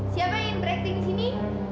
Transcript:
siapa yang ingin ber acting di sini